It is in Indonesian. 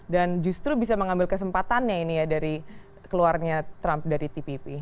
dan justru bisa mengambil kesempatannya ini ya dari keluarnya trump dari tpp